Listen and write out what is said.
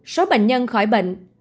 số bệnh nhân khỏi bệnh